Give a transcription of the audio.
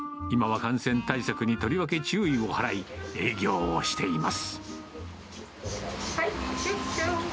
今は感染対策にとりわけ注意を払い、営業をしています。